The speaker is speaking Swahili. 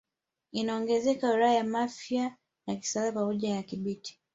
Inaongezeka wilaya ya Mafia na Kisarawe pamoja na Kibiti